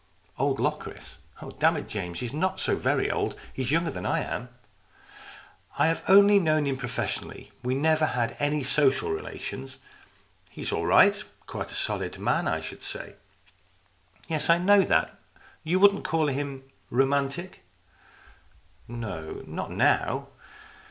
" Old Locris ? Oh, damn it, James, he's not so very old. He's younger than I am. I've only known him professionally. We never had any social relations. He's all right, quite a solid man, I should say." "Yes, I know that. You wouldn't call him romantic ?"" No, not now.